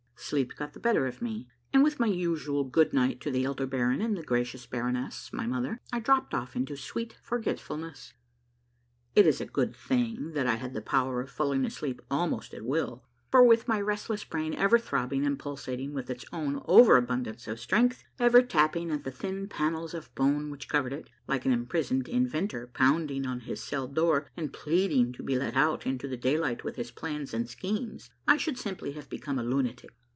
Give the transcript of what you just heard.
Sleep got the better of me, and with my usual good night to the elder baron and the gracious baroness, my mother, I dropped off into sweet forgetfulness. It is a good thing that I had the power of falling asleep almost at will, for with my restless brain ever throbbing and pulsating with its own over abundance of strength, ever tapping at the thin panels of bone which covered it, like an imprisoned inventor pounding on his cell door and pleading to be let out into the daylight with his plans and schemes, I should simply have become a lunatic.